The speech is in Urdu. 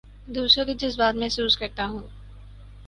دوسروں کے جذبات محسوس کرتا ہوں